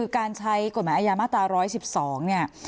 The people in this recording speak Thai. การใช้กฎหมายอาญามาตรา๑๑๒เนี่ย